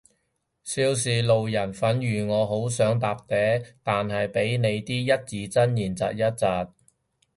少時路人粉如我好想搭嗲，但係被你啲一字真言疾一疾